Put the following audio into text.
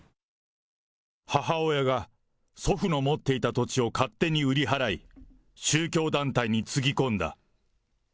母親が祖父の持っていた土地を勝手に売り払い、宗教団体につぎ込んだ。